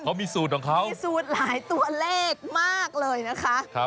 เขามีสูตรของเขามีสูตรหลายตัวเลขมากเลยนะคะ